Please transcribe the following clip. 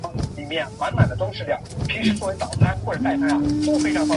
城墙有二至三层的跑马道。